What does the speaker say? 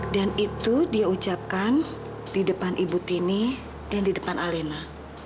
dan itu dia ucapkan di depan ibu tini dan di depan alena